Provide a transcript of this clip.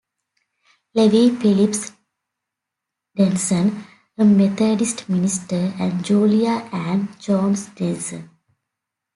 Levi Phillips Denson, a Methodist minister, and Julia Ann Jones Denson.